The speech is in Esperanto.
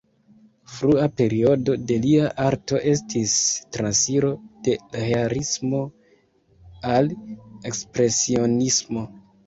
Frua periodo de lia arto estis transiro de realismo al ekspresionismo.